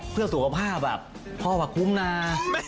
เพื่อสุขภาพพ่อคุ้มนะ